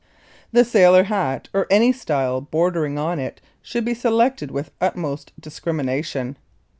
The sailor hat or any style bordering on it should be selected with utmost discrimination.